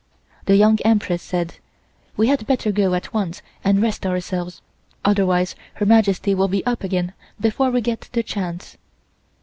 The Young Empress said: "We had better go at once and rest ourselves, otherwise Her Majesty will be up again before we get the chance."